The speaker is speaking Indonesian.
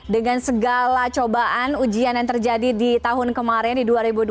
dengan segala cobaan ujian yang terjadi di tahun kemarin di dua ribu dua puluh